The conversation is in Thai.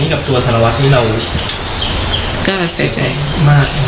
ไม่อยากคุยหรือไม่อยากอะไรไม่ไม่ไม่ค่ะไม่อยากคุยแล้วตอนนี้กับตัวสารวัตรที่เรา